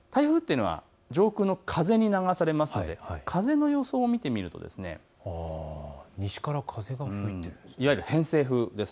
台風というのは上空の風に流されますので風の予想を見てみると西から風が吹いている、いわゆる偏西風です。